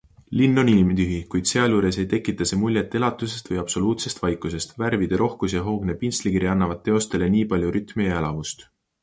Linn on inimtühi, kuid sealjuures ei tekita see muljet elutusest või absoluutsest vaikusest - värvide rohkus ja hoogne pintslikiri annavad teostele nii palju rütmi ja elavust.